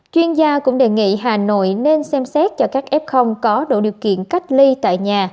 chuyên gia cũng đề nghị hà nội nên xem xét cho các f có đủ điều kiện cách ly tại nhà